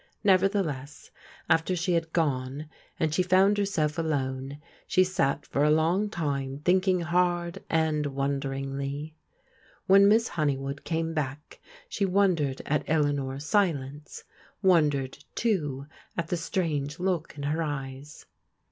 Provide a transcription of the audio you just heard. Nevertheless after she had gone and she found herself alone she sat for a long time thinking hard and wonderingly. When Miss Hone3rwood came back she wondered at Eleanor's silence, wondered, too, at the strange look in her eyes.